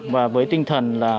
và với tinh thần là